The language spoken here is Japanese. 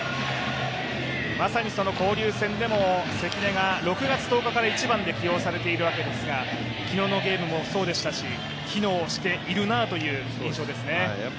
まさに交流戦でも関根が６月１０日から１番で起用されているわけですが、昨日のゲームもそうでしたし、機能しているなという印象ですね。